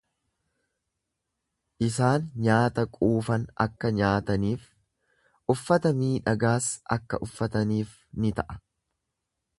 Isaan nyaata quufan akka nyaataniif, uffata miidhagaas akka uffataniif ni ta'a.